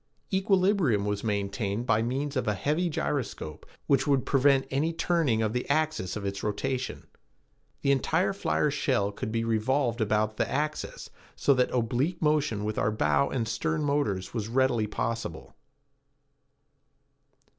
Equilibrium was maintained by means of a heavy gyroscope which would prevent any turning of the axis of its rotation. The entire flyer shell could be revolved about the axis so that oblique motion with our bow and stern motors was readily possible.